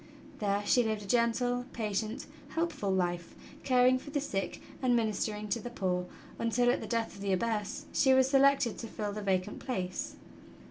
There she lived a gentle, patient, helpful life, caring for the sick and ministering to the poor, until, at the death of the Abbess, she was selected to fill the vacant place.